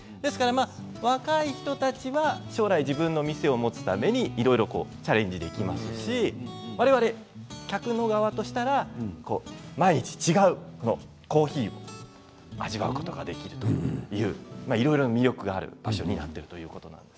若い人たちは将来自分の店を持つためにチャレンジができますし我々、客の側としたら毎日、違うコーヒーを味わうことができるといういろいろ魅力がある場所になっているということなんです。